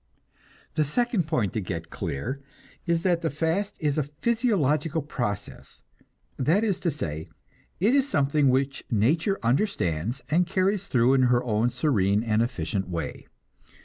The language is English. The second point to get clear is that the fast is a physiological process; that is to say, it is something which nature understands and carries through in her own serene and efficient way.